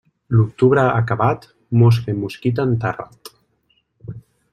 L'octubre acabat, mosca i mosquit enterrat.